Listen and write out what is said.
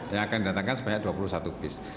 yang akan didatangkan sebanyak dua puluh satu bis